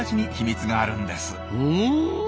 ふん？